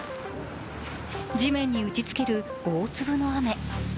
地面に打ちつける、大粒の雨。